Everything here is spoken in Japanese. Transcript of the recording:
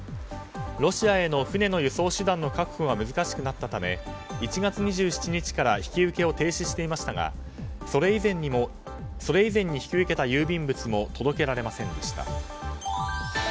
ロシアへの船の輸送手段の確保が難しくなったため１月２７日から引き受けを停止していましたがそれ以前に引き受けた郵便物も届けられませんでした。